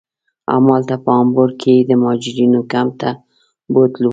همالته په هامبورګ کې یې د مهاجرینو کمپ ته بوتلو.